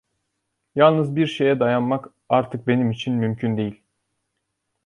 Yalnız bir şeye dayanmak artık benim için mümkün değil.